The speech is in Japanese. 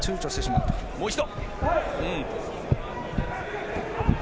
もう一度。